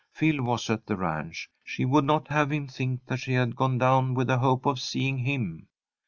Phil was at the ranch. She would not have him think that she had gone down with the hope of seeing him.